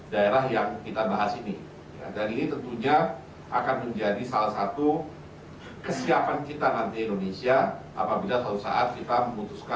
bambang juga memuji kinerja badan tenaga nuklir yang telah mendeteksi paparan radioaktif